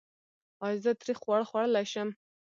ایا زه تریخ خواړه خوړلی شم؟